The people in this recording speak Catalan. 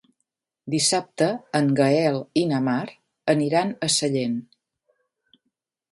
Dissabte en Gaël i na Mar aniran a Sellent.